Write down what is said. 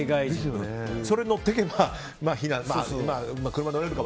それに乗っていけば避難できると。